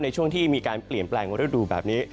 ในช่วงที่มีการเปลี่ยนแปลงฤดูแบบนี้